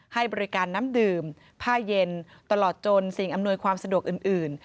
ให้บริการน้ำดื่มผ้าเย็นตลอดจนสิ่งอำนวยความสะดวกอื่น